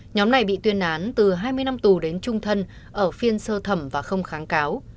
nhóm này bị tuyên án từ hai mươi năm tù đến trung thân ở phiên sơ thẩm và không kháng cáo